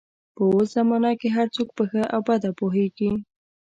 په اوس زمانه کې هر څوک په ښه او بده پوهېږي